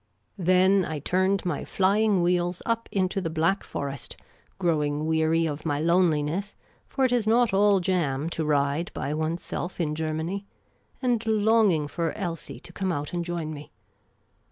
Then I turned my flying wheels up into the Black Forest, The Amateur Commission Agent 99 growing weary of my loneliness — for it is not all jam to ride by oneself in Germany — and longing for Elsie to come out and join me.